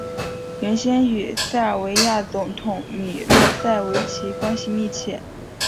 原先与塞尔维亚总统米洛塞维奇关系密切。